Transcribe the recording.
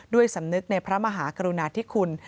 สำนึกในพระมหากรุณาธิคุณ